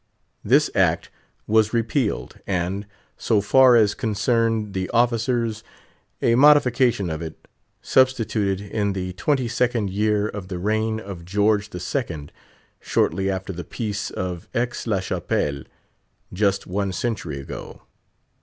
This act was repealed, and, so far as concerned the officers, a modification of it substituted, in the twenty second year of the reign of George the Second, shortly after the Peace of Aix la Chapelle, just one century ago.